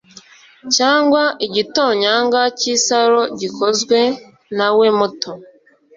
cyangwa igitonyanga cy'isaro gikozwe na we muto